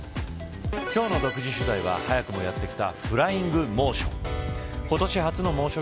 今日の独自取材は早くもやってきたフライング猛暑。